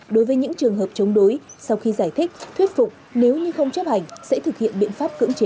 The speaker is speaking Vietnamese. đối với những trường hợp chống đối sau khi giải thích thuyết phục nếu như không chấp hành sẽ thực hiện biện pháp cưỡng chế